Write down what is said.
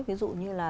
ví dụ như là